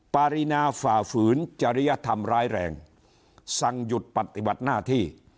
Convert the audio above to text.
ปารีนาฝ่าฝืนจริยธรรมร้ายแรงสั่งหยุดปฏิบัติหน้าที่